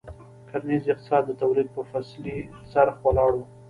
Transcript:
کرنیز اقتصاد د تولید په فصلي څرخ ولاړ و.